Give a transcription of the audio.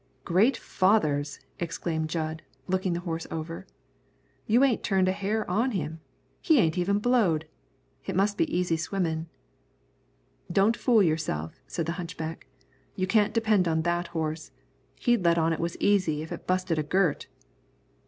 "Great fathers!" exclaimed Jud, looking the horse over, "you ain't turned a hair on him. He ain't even blowed. It must be easy swimmin'." "Don't fool yourself," said the hunchback. "You can't depend on that horse. He'd let on it was easy if it busted a girt."